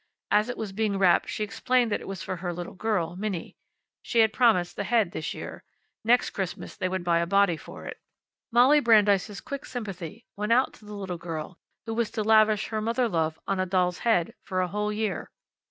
As it was being wrapped she explained that it was for her little girl, Minnie. She had promised the head this year. Next Christmas they would buy a body for it. Molly Brandeis's quick sympathy went out to the little girl who was to lavish her mother love on a doll's head for a whole year.